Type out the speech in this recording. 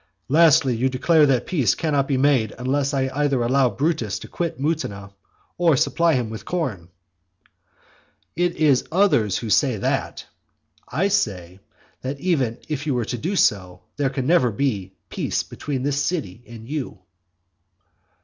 "Lastly, you declare that peace cannot be made unless I either allow Brutus to quit Mutina, or supply him with corn." It is others who say that: I say, that even if you were to do so, there never could be peace between this city and you.